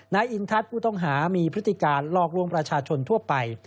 นายอินทัศน์ผู้ต้องหามีพฤติการหลอกลวงประชาชนทั่วไป